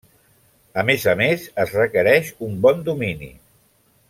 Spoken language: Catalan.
A més a més, es requereix un bon domini.